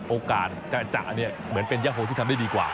โอกาสจะเนี่ยเหมือนเป็นยะโฮที่ทำได้ดีกว่า